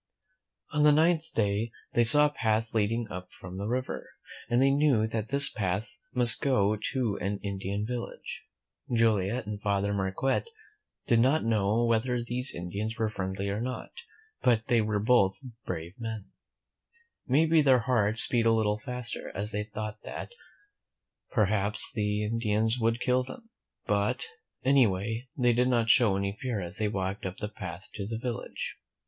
On the ninth day they saw a path leading up from the river, and they knew that this path must go to an Indian village. Joliet and Father Mar quette did not know whether these Indians were friendly or not ; but they were both brave men. Maybe their hearts beat a little faster, as they thought that, perhaps, the Indians would kill : ~a0Z lUHAUKIt m^n \\n:M KtMWU '.«»'/ .M mmMm^ >^mmi} 146 THE FRIENDS OF THE INDIANS p ^^ •y::— them; but, anyway, they did not show any fear as they walked up the path to the village.